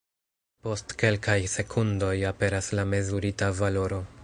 Post kelkaj sekundoj aperas la mezurita valoro.